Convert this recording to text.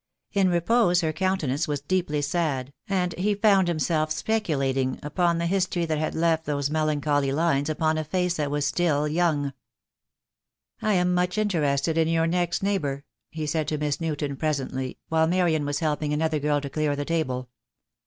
In repose her countenance was deeply sad, and he found himself specu lating upon the history that had left those melancholy lines upon a face that was still young. "I am much interested in your next neighbour," he said to Miss Newton, presently, while Marian was helping another girl to clear the table.